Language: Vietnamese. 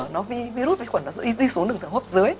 nó vi rút vết quẩn nó đi xuống đường thở hốp dưới